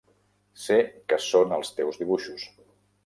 Sé què són els teus dibuixos.